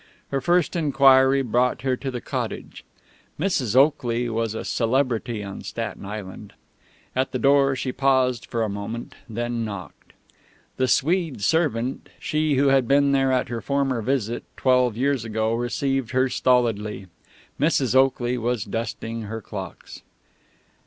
Her first enquiry brought her to the cottage. Mrs. Oakley was a celebrity on Staten Island. At the door she paused for a moment, then knocked. The Swede servant, she who had been there at her former visit, twelve years ago, received her stolidly. Mrs. Oakley was dusting her clocks.